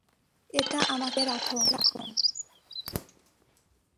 এটা আমাকে জাগিয়ে রাখে।